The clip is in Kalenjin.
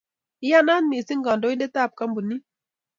iyanaat mising kandoindetab kampunit